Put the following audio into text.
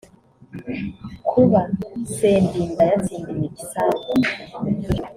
Kuba Sendinda yatsindiye isambu